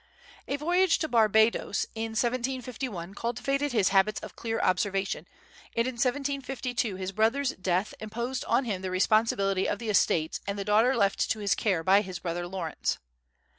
A voyage to Barbadoes in 1751 cultivated his habits of clear observation, and in 1752 his brother's death imposed on him the responsibility of the estates and the daughter left to his care by his brother Lawrence.